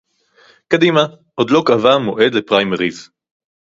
קדימה עוד לא קבעה מועד לפריימריס